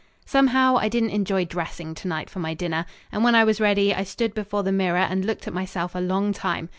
Somehow I didn't enjoy dressing to night for my dinner, and when I was ready I stood before the mirror and looked at myself a long time.